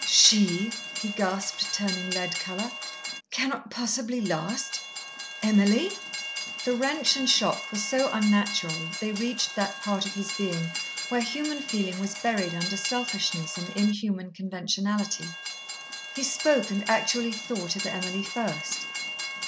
"She!" he gasped, turning lead colour. "Cannot possibly last, Emily?" The wrench and shock were so unnatural that they reached that part of his being where human feeling was buried under selfishness and inhuman conventionality. He spoke, and actually thought, of Emily first.